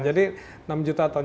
jadi enam juta ton